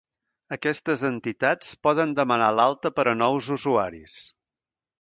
Aquestes entitats poden demanar l'alta per a nous usuaris.